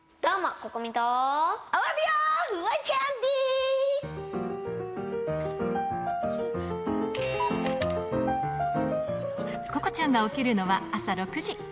ここちゃんが起きるのは、朝６時。